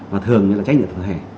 và thường là trách nhiệm thừa thể